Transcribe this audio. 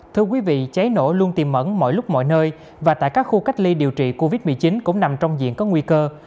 thưa quý vị cháy nổ luôn tìm mẫn mọi lúc mọi nơi và tại các khu cách ly điều trị covid một mươi chín cũng nằm trong diện có nguy cơ